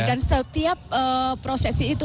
dan setiap prosesi itu